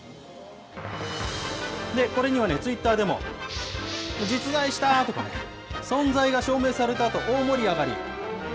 これにはツイッターでも、実在したぁ！とか、存在が証明されたと大盛り上がり。